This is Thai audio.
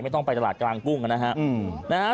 ต้องไปตลาดกลางกุ้งนะฮะ